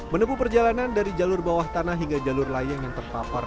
menempuh perjalanan dari jalur bawah tanah hingga jalur layang yang terpapar